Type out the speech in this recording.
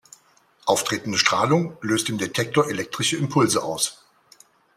Auftretende Strahlung löst im Detektor elektrische Impulse aus.